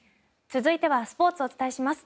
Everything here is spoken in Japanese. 続いてはスポーツをお伝えします。